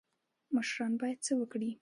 مشران باید څه وکړي؟